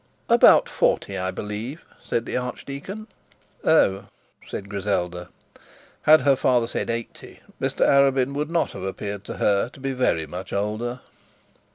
'About forty, I believe,' said the archdeacon. 'Oh!' said Griselda. Had her father said eighty, Mr Arabin would not have appeared to her to be very much older.